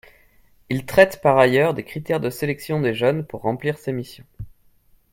Il traite par ailleurs des critères de sélection des jeunes pour remplir ces missions.